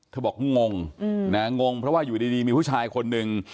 บอกงงนะงงเพราะว่าอยู่ดีมีผู้ชายคนหนึ่ง